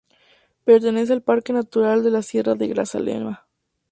Pertenece al Parque Natural de la Sierra de Grazalema.